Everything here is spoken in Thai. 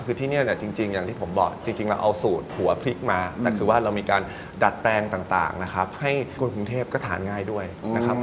คือที่นี่เนี่ยจริงอย่างที่ผมบอกจริงเราเอาสูตรหัวพริกมาแต่คือว่าเรามีการดัดแปลงต่างนะครับให้คนกรุงเทพก็ทานง่ายด้วยนะครับ